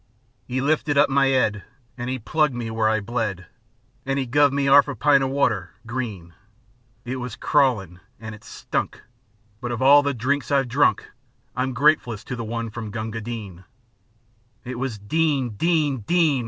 'E lifted up my 'ead, An' he plugged me where I bled, An' 'e guv me 'arf a pint o' water green: It was crawlin' and it stunk, But of all the drinks I've drunk, I'm gratefullest to one from Gunga Din. It was "Din! Din! Din!